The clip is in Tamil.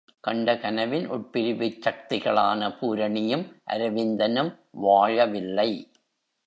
கண்ட கனவின் உட்பிரிவுச் சக்திகளான பூரணியும் அரவிந்தனும் வாழவில்லை!